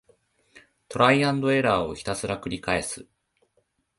トライアンドエラーをひたすらくりかえす